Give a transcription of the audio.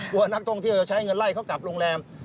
ว่านักท่องเที่ยวจะใช้เงินไล่เขากลับโรงแรม